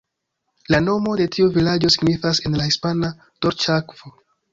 La nomo de tiu vilaĝo signifas en la hispana "Dolĉa akvo".